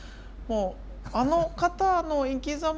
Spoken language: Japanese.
あの方の生きざま